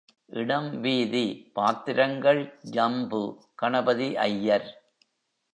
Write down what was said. இடம் வீதி பாத்திரங்கள் ஜம்பு, கணபதி ஐயர்.